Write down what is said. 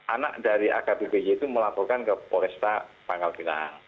anak dari akbpj itu melakukan ke polres panggal binang